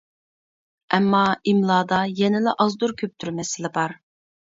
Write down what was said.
ئەمما، ئىملادا يەنىلا ئازدۇر-كۆپتۇر مەسىلە بار.